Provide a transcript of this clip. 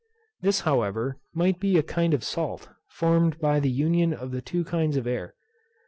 This, however, might be a kind of salt, formed by the union of the two kinds of air.